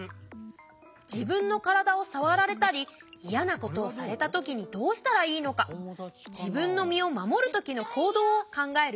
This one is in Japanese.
自分の体をさわられたりイヤなことをされたときにどうしたらいいのか自分の身を守るときの行動を考えるよ。